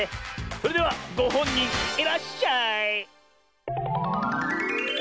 それではごほんにんいらっしゃい。